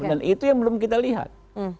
dan itu yang belum kita lihat